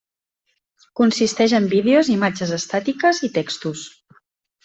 Consisteix en vídeos, imatges estàtiques i textos.